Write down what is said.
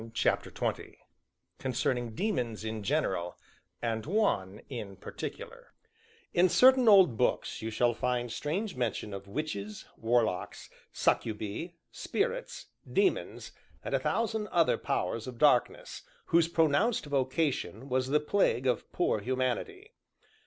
CHAPTER XX CONCERNING DAEMONS IN GENERAL AND ONE IN PARTICULAR In certain old books you shall find strange mention of witches, warlocks, succubae, spirits, daemons, and a thousand other powers of darkness, whose pronounced vocation was the plague of poor humanity.